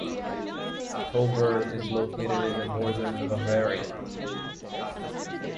Coburg is located in northern Bavaria.